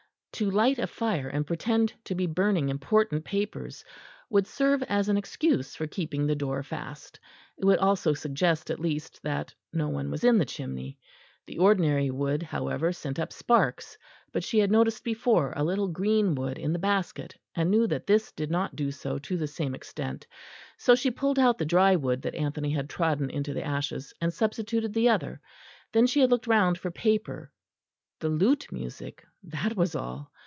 To light a fire and pretend to be burning important papers would serve as an excuse for keeping the door fast; it would also suggest at least that no one was in the chimney. The ordinary wood, however, sent up sparks; but she had noticed before a little green wood in the basket, and knew that this did not do so to the same extent; so she pulled out the dry wood that Anthony had trodden into the ashes and substituted the other. Then she had looked round for paper; the lute music, that was all.